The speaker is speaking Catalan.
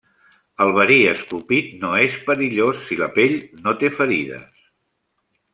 El verí escopit no és perillós si la pell no té ferides.